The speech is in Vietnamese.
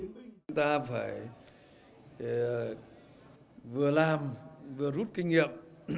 chúng ta phải vừa làm vừa rút kinh nghiệm